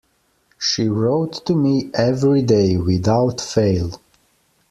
She wrote to me every day, without fail.